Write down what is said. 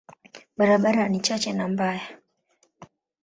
Barabara ni chache na mbaya.